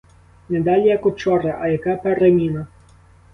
Не далі як учора, а яка переміна!